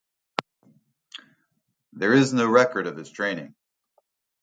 There is no record of his training.